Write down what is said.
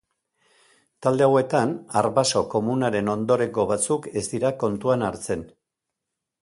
Talde hauetan arbaso komunaren ondorengo batzuk ez dira kontuan hartzen.